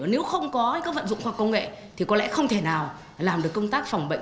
nếu không có các vận dụng khoa học công nghệ thì có lẽ không thể nào làm được công tác phòng bệnh